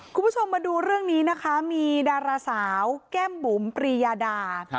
คุณผู้ชมมาดูเรื่องนี้นะคะมีดาราสาวแก้มบุ๋มปรียาดา